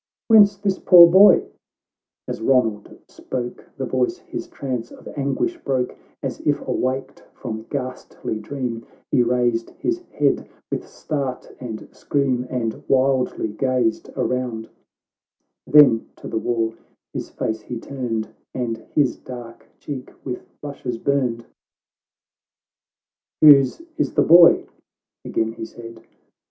" Whence this poor boy ?"— As Ronald spoke, The voice his trance of anguish broke ; As if awaked from ghastly dream, He raised his head with start and scream, And wildly gazed around ; Then to the wall his face he turned, And his dark cheek with blushes burned. GOO THE LOUD OF THE ISLES. [CANTO III 5XI1I " Whose is the boy ?" again he said.